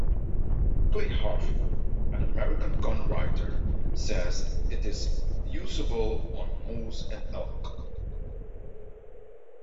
Clay Harvey, an American gun writer, says it is usable on moose and elk.